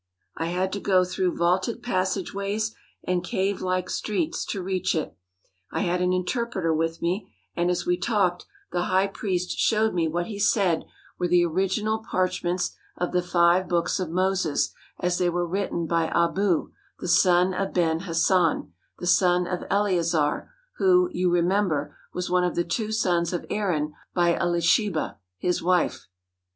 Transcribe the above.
I had to go through vaulted passageways and cave like streets to reach it. I had an interpreter with me, and as we talked the high 149 THE HOLY LAND AND SYRIA priest showed me what he said were the original parch ments of the five books of Moses as they were written by Abou, the son of Ben Hassan, the son of Eleazar, who, you remember, was one of the two sons of Aaron by Elisheba, his wife.